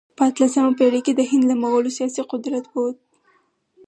په اتلسمه پېړۍ کې د هند له مغولو سیاسي قدرت ووت.